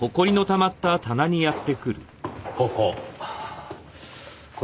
ここ。